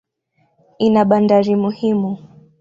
Ina bandari muhimu.